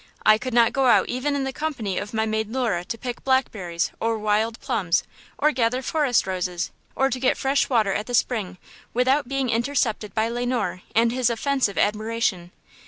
I could not go out even in the company of my maid Lura to pick blackberries or wild plums or gather forest roses, or to get fresh water at the spring, without being intercepted by Le Noir and his offensive admiration.